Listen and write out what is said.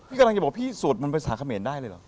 กำลังจะบอกพี่สวดมนต์ภาษาเขมรได้เลยเหรอ